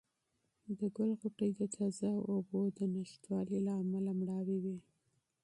د ګل غوټۍ د تازه اوبو د نشتوالي له امله مړاوې وې.